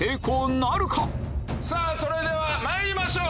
それでは参りましょう。